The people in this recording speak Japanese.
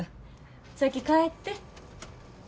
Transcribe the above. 先帰って。